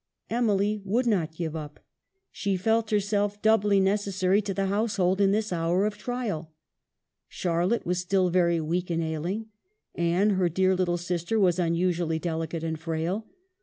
Emily would not give up. She felt herself doubly necessary to the household in this hour of trial. Charlotte was still very weak and ail ing. Anne, her dear little sister, was unusually delicate and frail.